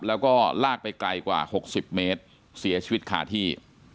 แล้วก็ลากไปไกลกว่า๖๐เมตรเสียชีวิตคาที่